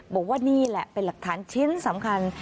บอกว่านี่แหละเป็นหลักฐานชิ้นสำคัญ